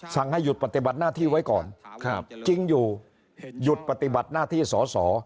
ให้หยุดปฏิบัติหน้าที่ไว้ก่อนจริงอยู่หยุดปฏิบัติหน้าที่สอสอ